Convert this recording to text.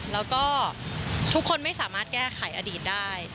แล้วก็ทุกคนไม่สามารถแก้ไขอดีตได้